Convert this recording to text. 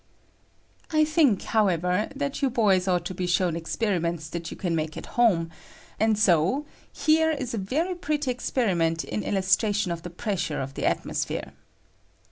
I think, however, that you boys ought to be shown experimenta that you can make at home ; and so here is a very pretty experiment in illustration of the pressure of the atmosphere.